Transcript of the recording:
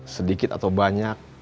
sedikit atau banyak